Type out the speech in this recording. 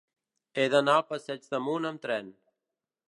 He d'anar al passeig d'Amunt amb tren.